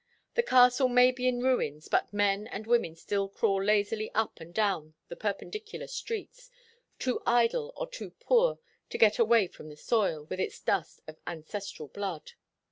The castle may be in ruins, but men and women still crawl lazily up and down the perpendicular streets, too idle or too poor to get away from the soil, with its dust of ancestral blood.